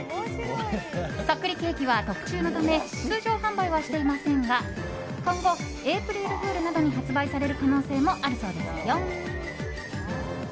そっくりケーキは特注のため通常販売はしていませんが今後、エイプリルフールなどに発売される可能性もあるそうですよ。